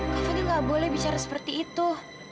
kak fadil gak boleh bicara seperti itu